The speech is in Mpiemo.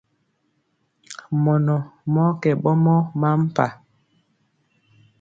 Mɔnɔ mɔɔ kɛ ɓɔmɔ mampa.